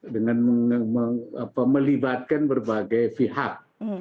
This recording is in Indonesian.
dengan melibatkan berbagai pihak